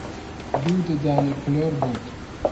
دوو ددانی کلۆر بوون